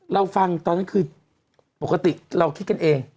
เราฟังตอนนั้นคือปกติเราคิดกันเอง